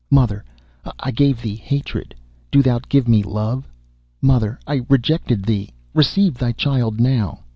Mother, I gave thee hatred. Do thou give me love. Mother, I rejected thee. Receive thy child now.